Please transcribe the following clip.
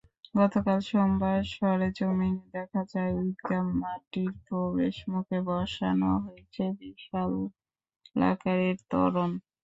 গতকাল সোমবার সরেজমিনে দেখা যায়, ঈদগাহ মাঠটির প্রবেশমুখে বসানো হয়েছে বিশালাকারের তোরণ।